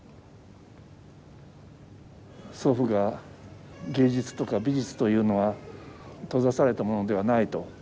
祖父が芸術とか美術というのは閉ざされたものではないと。